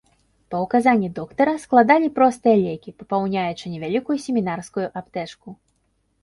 Па ўказанні доктара, складалі простыя лекі, папаўняючы невялікую семінарскую аптэчку.